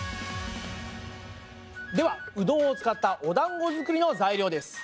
ではうどんを使ったおだんご作りの材料です！